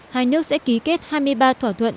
hai nước sẽ ký kết hai mươi ba thỏa thuận